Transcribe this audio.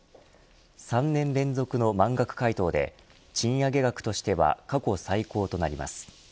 ３年連続の満額回答で賃上げ額としては過去最高となります。